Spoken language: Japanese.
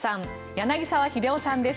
柳澤秀夫さんです。